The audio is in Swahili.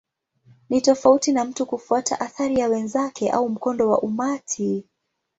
Ni tofauti na mtu kufuata athari ya wenzake au mkondo wa umati.